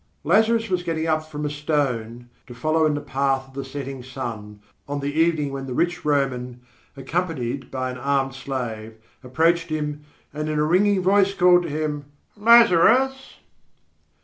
Lazarus was getting up from a stone to follow in the path of the setting sun, on the evening when the rich Roman, accompanied by an armed slave, approached him, and in a ringing voice called to him: "Lazarus!"